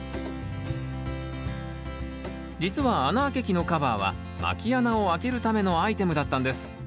実は穴あけ器のカバーはまき穴をあけるためのアイテムだったんです。